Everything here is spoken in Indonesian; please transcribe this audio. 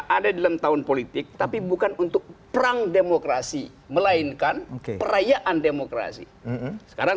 ada dalam tahun politik tapi bukan untuk perang demokrasi melainkan perayaan demokrasi sekarang